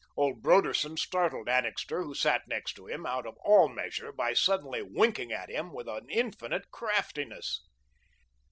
Old Broderson startled Annixter, who sat next to him, out of all measure by suddenly winking at him with infinite craftiness.